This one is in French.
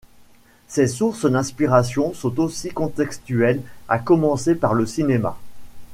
Ses sources d’inspirations sont aussi contextuelles, à commencer par le cinéma.